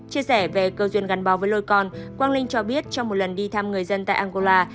chia sẻ về cơ duyên gắn bó với lôi con quang linh cho biết trong một lần đi thăm người dân tại angola